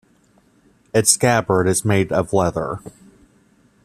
Its scabbard is made of leather.